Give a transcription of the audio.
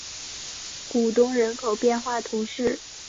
古东人口变化图示